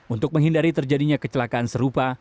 untuk menghindari terjadinya kecelakaan serupa